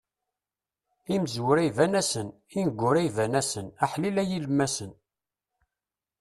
Imezwura iban-asen, ineggura iban-asen, aḥlil a yilemmasen.